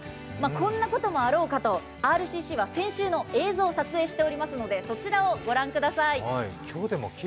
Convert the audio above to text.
こんなこともあろうかと、ＲＣＣは先週の映像を撮影していますのでそちらをご覧ください。